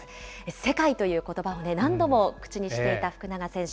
世界ということばを、何度も口にしていた福永選手。